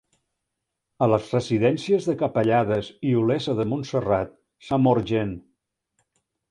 A les residències de Capellades i Olesa de Montserrat s'ha mort gent